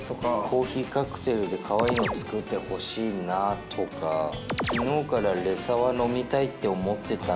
「コーヒーカクテルで可愛いの作って欲しいな」とか「昨日からレサワ飲みたいって思ってたんだよね」。